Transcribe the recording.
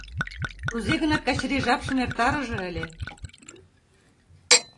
— Кузе-гынат Качыри жапшым эртарыже ыле...